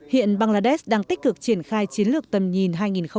hiện bangladesh đang tích cực triển khai chiến lược tầm nhìn hai nghìn hai mươi một